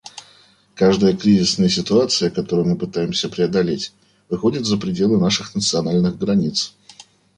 Каждая кризисная ситуация, которую мы пытаемся преодолеть, выходит за пределы наших национальных границ.